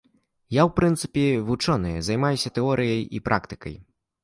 Я ў прынцыпе вучоны, займаюся тэорыяй і практыкай.